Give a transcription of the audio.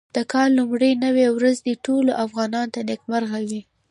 د کال لومړۍ نوې ورځ دې ټولو افغانانو ته نېکمرغه وي.